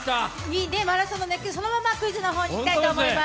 マラソンの熱狂そのままクイズの方に行きたいと思います。